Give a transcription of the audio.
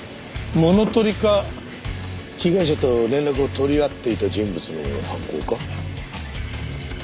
物取りか被害者と連絡をとり合っていた人物の犯行か？